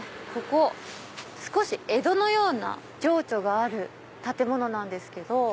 ここ少し江戸のような情緒がある建物なんですけど。